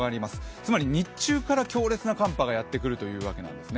つまり日中から強烈な寒波がやってくるということになるわけです。